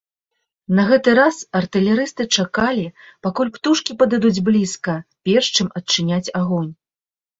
На гэты раз артылерысты чакалі, пакуль птушкі падыдуць блізка, перш чым адчыняць агонь.